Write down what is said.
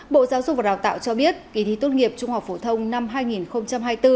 bộ giáo dục và đào tạo cho biết kỳ thi tốt nghiệp trung học phổ thông năm hai nghìn hai mươi bốn